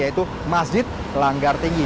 yaitu masjid langgar tinggi